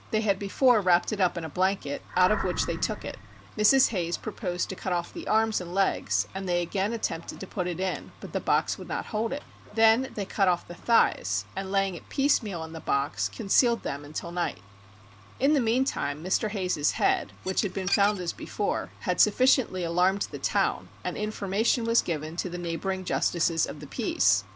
They had before wrapped it up in a blanket, out of which they took it; Mrs. Hayes proposed to cut off the arms and legs, and they again attempted to put it in, but the box would not hold it. Then they cut off the thighs, and laying it piecemeal in the box, concealed them until night. In the meantime Mr. Hayes's head, which had been found as before, had sufficiently alarmed the town, and information was given to the neighbouring justices of the peace.